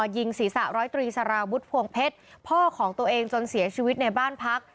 ยิงศีรษะร้อยตรีสารวุฒิพวงเพชรพ่อของตัวเองจนเสียชีวิตในบ้านพัก